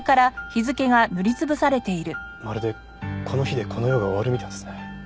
まるでこの日でこの世が終わるみたいですね。